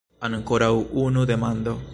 Ankoraŭ unu demando!